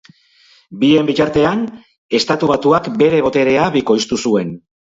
Bien bitartean, Estatu Batuak bere boterea bikoiztu zuen.